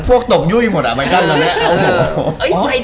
พวกตกยุ่ยหมดอะใบตันแล้วเนี่ย